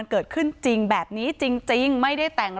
ที่โพสต์ก็คือเพื่อต้องการจะเตือนเพื่อนผู้หญิงในเฟซบุ๊คเท่านั้นค่ะ